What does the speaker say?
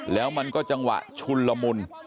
แล้วมันก็จังหวะชุนละมุน